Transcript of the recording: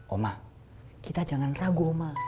oma kita jangan ragu oma